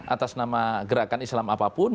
atas nama gerakan islam apapun